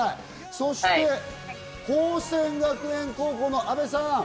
そして宝仙学園高校の阿部さん。